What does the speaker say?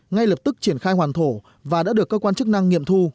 ngay lập tức triển khai hoàn thổ và đã được cơ quan chức năng nghiệm thu